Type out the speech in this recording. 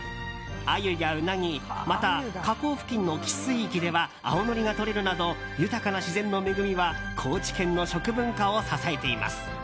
アユやウナギまた、河口付近の汽水域では青のりがとれるなど豊かな自然の恵みは高知県の食文化を支えています。